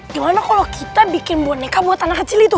gimana kalau kita bikin boneka buat anak kecil itu